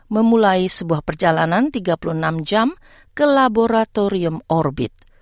memulai sebuah perjalanan tiga puluh enam jam ke laboratorium orbit